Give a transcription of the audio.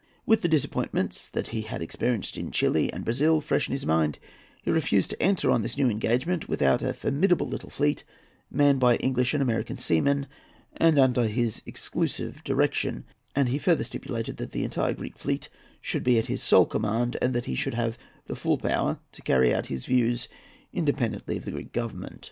With the disappointments that he had experienced in Chili and Brazil fresh in his mind, he refused to enter on this new engagement without a formidable little fleet, manned by English and American seamen, and under his exclusive direction; and he further stipulated that the entire Greek fleet should be at his sole command, and that he should have full power to carry out his views independently of the Greek Government.